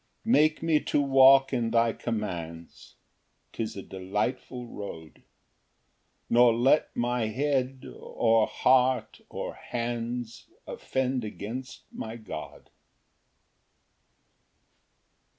Ver. 35. 6 Make me to walk in thy commands, 'Tis a delightful road; Nor let my head, or heart, or hands, Offend against my God.